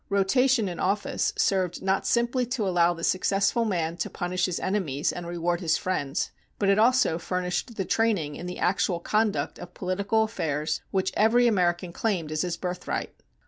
Rotation in office served not simply to allow the successful man to punish his enemies and reward his friends, but it also furnished the training in the actual conduct of political affairs which every American claimed as his birthright.